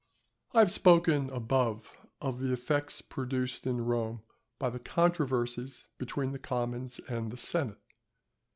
_ I have spoken above of the effects produced in Rome by the controversies between the commons and the senate.